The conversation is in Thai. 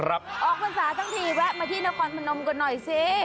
ออกภัณฑ์ศาสตร์ตั้งทีแวะมาที่นครพนมกันหน่อยสิ